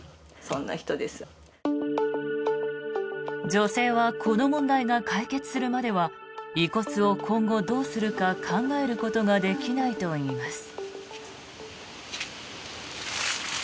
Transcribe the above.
女性はこの問題が解決するまでは遺骨を今後どうするか考えることができないといいます。